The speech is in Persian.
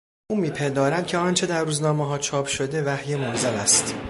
او میپندارد که آنچه در روزنامهها چاپ شده وحی منزل است.